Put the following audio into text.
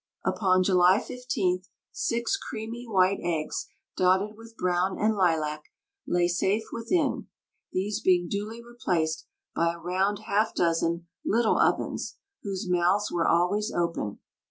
Upon July 15th six creamy white eggs, dotted with brown and lilac, lay safe within, these being duly replaced by a round half dozen "little ovens," whose mouths were always open.